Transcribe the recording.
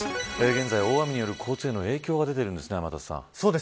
現在、大雨による交通への影響が出ているんですね、天達さん。